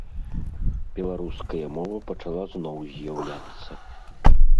Беларуская мова пачала зноў з'яўляцца.